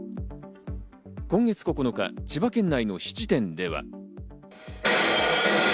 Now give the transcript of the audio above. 今月９日、千葉県内の質店では。